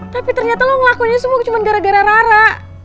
tapi ternyata lo ngelakuinnya semua cuma gara gara rara